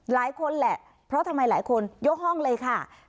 หลายคนแหละเพราะทำไมหลายคนยกห้องเลยค่ะ